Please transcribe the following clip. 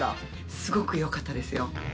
すごくよかったですよ。